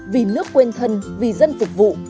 vì nước quen thân vì dân phục vụ